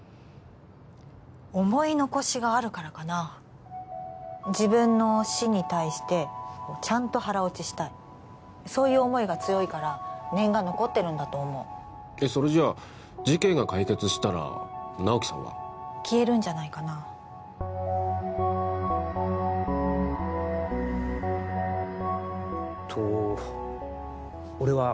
思い残しがあるからかな自分の死に対してちゃんと腹落ちしたいそういう思いが強いから念が残ってるんだと思うそれじゃ事件が解決したら直木さんは消えるんじゃないかなと俺は？